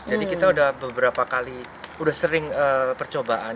jadi kita udah beberapa kali udah sering percobaan